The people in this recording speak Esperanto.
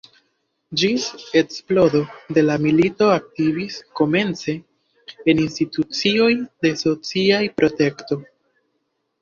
Ĝis eksplodo de la milito aktivis komence en institucioj de socia protekto.